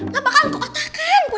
gak bakal kau atahkan bu